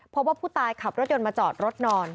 เพราะว่าผู้ตายขับรถยนต์มาจอดรถนอน